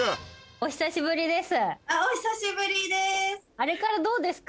お久しぶりです。